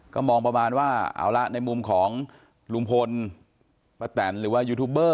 ก็มองประมาณว่าเอาละในมุมของลุงพลป้าแตนหรือว่ายูทูบเบอร์